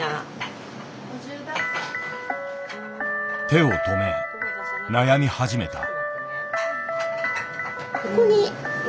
手を止め悩み始めた。